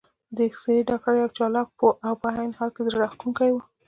د اېکسرې ډاکټر یو چالاک، پوه او په عین حال کې زړه راښکونکی و.